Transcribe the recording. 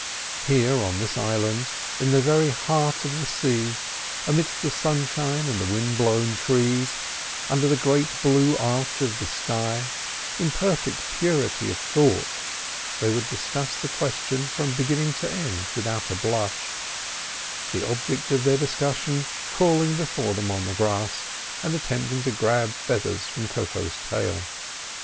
Here, on this island, in the very heart of the sea, amidst the sunshine and the wind blown trees, under the great blue arch of the sky, in perfect purity of thought, they would discuss the question from beginning to end without a blush, the object of their discussion crawling before them on the grass, and attempting to grab feathers from Koko's tail.